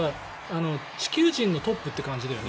地球人のトップって感じだよね。